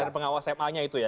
dari pengawas ma nya itu ya